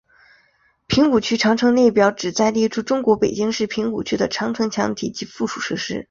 平谷区长城列表旨在列出中国北京市平谷区的长城墙体及附属设施。